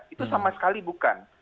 itu sama sekali bukan